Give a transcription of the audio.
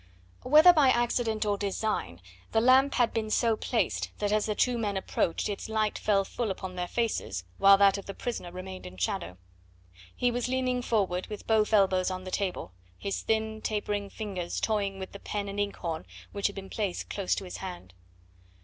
Whether by accident or design the lamp had been so placed that as the two men approached its light fell full upon their faces, while that of the prisoner remained in shadow. He was leaning forward with both elbows on the table, his thin, tapering fingers toying with the pen and ink horn which had been placed close to his hand.